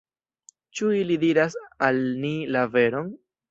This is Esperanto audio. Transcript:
Ĉu ili diras al ni la veron?